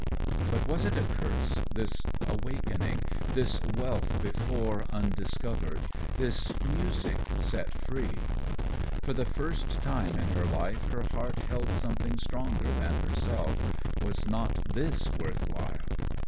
But was it a curse, this awakening, this wealth before undiscovered, this music set free? For the first time in her life her heart held something stronger than herself, was not this worth while?